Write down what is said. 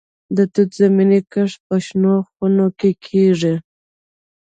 د توت زمینی کښت په شنو خونو کې کیږي.